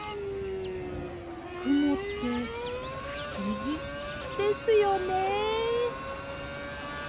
くもってふしぎですよね。